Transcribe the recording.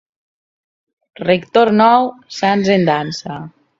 Rector nou, sants en dansa.